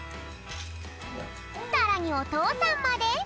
さらにおとうさんまで。